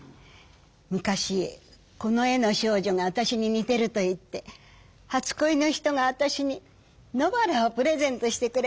昔この絵の少女があたしに似てるといって初こいの人があたしに野バラをプレゼントしてくれたんです。